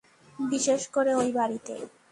বিশেষ করে ঐ বাড়িতে।